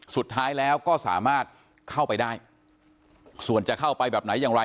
สุดท้ายแล้วก็สามารถเข้าไปได้ส่วนจะเข้าไปแบบไหนอย่างไร